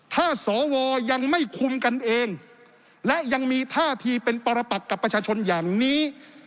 ถ้าสวยังไม่คุมกันเองและยังมีท่าทีเป็นปรปักกับประชาชนอย่างนี้